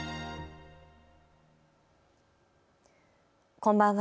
こんばんは。